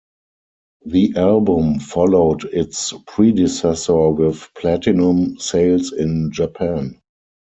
The album followed its predecessor with platinum sales in Japan.